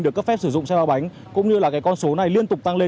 được cấp phép sử dụng xe ba bánh cũng như là cái con số này liên tục tăng lên